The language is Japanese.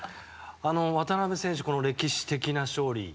渡邊選手、この歴史的な勝利